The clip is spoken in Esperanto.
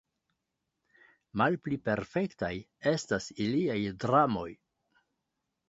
Malpli perfektaj estas iliaj dramoj!